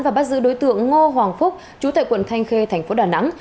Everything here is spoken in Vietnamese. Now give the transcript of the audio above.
và bắt giữ đối tượng ngô hoàng phúc chú tại quận thanh khê thành phố đà nẵng